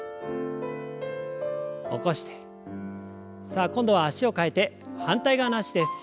さあ今度は脚を替えて反対側の脚です。